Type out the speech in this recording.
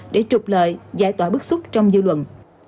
để trục lợi giải tỏa bức xúc trong dư luận